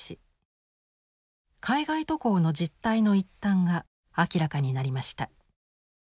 海外渡航の実態の一端が明らかになりました。